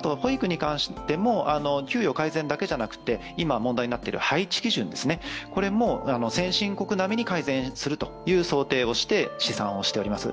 保育に関しても、給与改善だけじゃなくて今問題になっている配置基準も先進国並みに改善するという想定をして試算をしております。